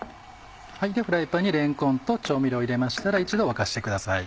ではフライパンにれんこんと調味料入れましたら一度沸かしてください。